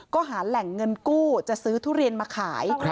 ก็หาแหล่งเงินกู้จะซื้อทุเรียนมาขาย